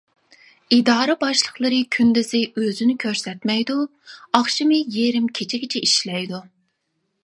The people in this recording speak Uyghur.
ئىدارە باشلىقلىرى كۈندۈزى ئۆزىنى كۆرسەتمەيدۇ، ئاخشىمى يېرىم كېچىگىچە ئىشلەيدۇ.